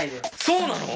そうなの？